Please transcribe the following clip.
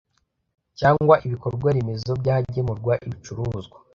Cyangwa ibikorwaremezo by’ahagemurwa ibicuruzwa